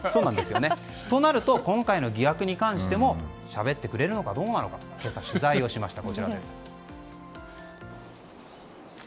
となると、今回の疑惑に関してもしゃべってくれるのかどうか今朝、取材をしました。